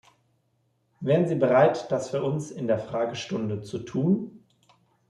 Wären Sie bereit, das für uns in der Fragestunde zu tun?